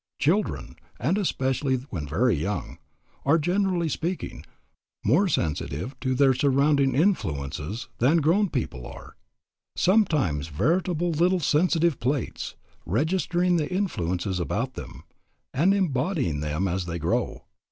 Children, and especially when very young, are, generally speaking, more sensitive to their surrounding influences than grown people are. Some are veritable little sensitive plates, registering the influences about them, and embodying them as they grow.